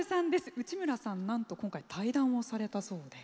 内村さん、なんと今回対談をされたそうで。